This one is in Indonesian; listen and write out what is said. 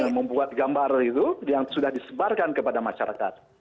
membuat gambar itu yang sudah disebarkan kepada masyarakat